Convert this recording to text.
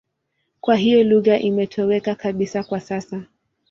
Kwa hiyo lugha imetoweka kabisa kwa sasa.